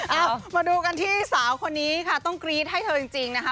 เอามาดูกันที่สาวคนนี้ค่ะต้องกรี๊ดให้เธอจริงนะคะ